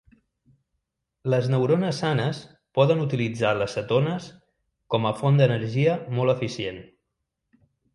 Les neurones sanes poden utilitzar les cetones com a font d'energia molt eficient.